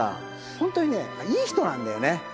本当にね、いい人なんだよね。